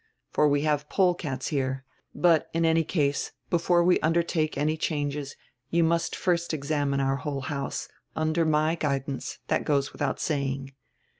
For we have polecats here. But, in any case, before we undertake any changes you nrust first examine our whole house, under my guid ance; drat goes widrout saying.